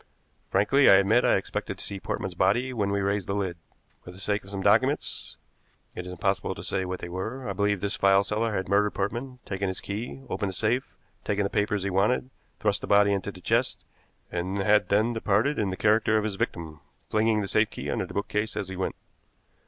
Frankly, I admit I expected to see Portman's body when we raised the lid. For the sake of some documents it is impossible to say what they were I believed this file seller had murdered Portman, taken his key, opened the safe, taken the papers he wanted, thrust the body into the chest, and had then departed in the character of his victim, flinging the safe key under the bookcase as he went.